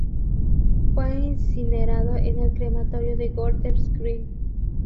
Fue incinerado en el Crematorio de Golders Green.